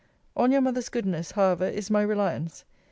On your mother's goodness, however, is my reliance.